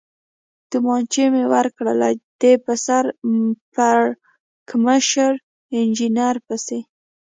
تومانچه مې ورکړل، دی په سر پړکمشر انجنیر پسې.